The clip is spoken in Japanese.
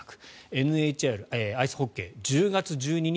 ＮＨＬ、アイスホッケー１０月１２日